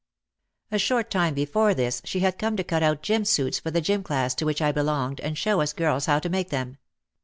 A short time before this she had come to cut out gym suits for the gym class to which I belonged, and show us girls how to make them.